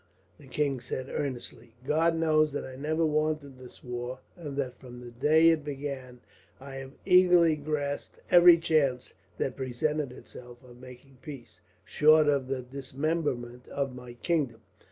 the king said earnestly. "God knows that I never wanted this war, and that from the day it began I have eagerly grasped every chance that presented itself of making peace, short of the dismemberment of my kingdom.